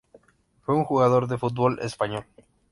Fue un jugador de fútbol español.